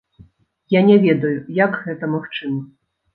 Я не ведаю, як гэта магчыма.